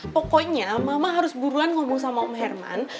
pokoknya mama harus buruan ngomong sama om herman